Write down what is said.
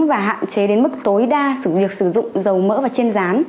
và hạn chế đến mức tối đa sự việc sử dụng dầu mỡ và trên rán